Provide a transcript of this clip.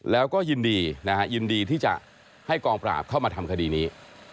แล้วก็ยินดีนะฮะยินดีที่จะให้กองปราบเข้ามาทำคดีนี้